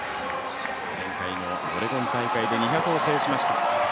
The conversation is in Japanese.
前回のオレゴン大会で２００を制しました。